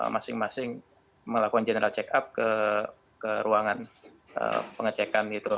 masing masing melakukan general check up ke ruangan pengecekan itu